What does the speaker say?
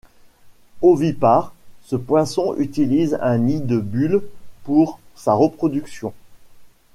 Ovipare, ce poisson utilise un nid de bulles pour sa reproduction.